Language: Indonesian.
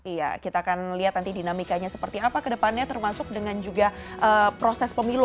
iya kita akan lihat nanti dinamikanya seperti apa ke depannya termasuk dengan juga proses pemilu